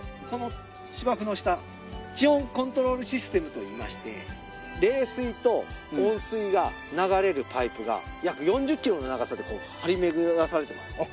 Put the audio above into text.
この芝生の下地温コントロールシステムといいまして冷水と温水が流れるパイプが約４０キロの長さでこう張り巡らされてます。